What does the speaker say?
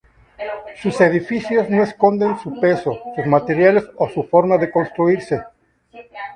Sus edificios no esconden su peso, sus materiales o su forma de construirse.